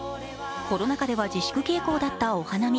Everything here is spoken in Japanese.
コロナ禍では自粛傾向だったお花見。